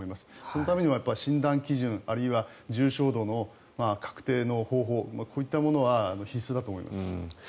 そのためには診断基準あるいは重症度の確定の方法こういったものは必須だと思います。